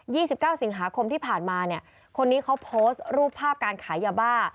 สิบเก้าสิงหาคมที่ผ่านมาเนี่ยคนนี้เขาโพสต์รูปภาพการขายยาบ้า